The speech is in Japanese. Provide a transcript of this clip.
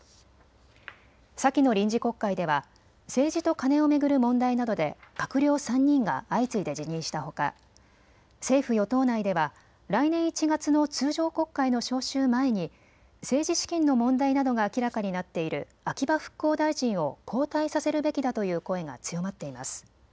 先の臨時国会では政治とカネを巡る問題などで閣僚３人が相次いで辞任したほか政府与党内では来年１月の通常国会の召集前に政治資金の問題などが明らかになっている秋葉復興大臣を交代させるべきだという声が強まっています。